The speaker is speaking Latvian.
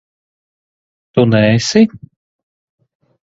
Tu neesi?